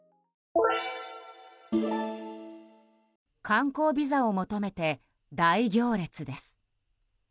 観光ビザを求めて大行列です。